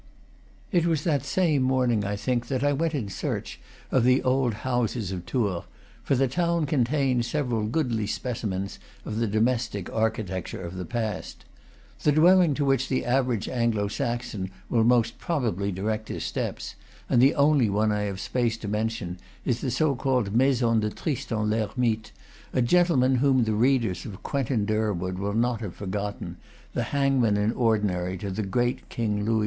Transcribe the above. It was that same morning, I think, that I went in search of the old houses of Tours; for the town con tains several goodly specimens of the domestic archi tecture of the past. The dwelling to which the average Anglo Saxon will most promptly direct his steps, and the only one I have space to mention, is the so called Maison de Tristan l'Hermite, a gentleman whom the readers of "Quentin Durward" will not have forgotten, the hangman in ordinary to the great King Louis XI.